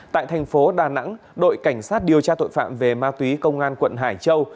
tại thành phố đà nẵng đội cảnh sát điều tra tội phạm về ma túy công an quận hải châu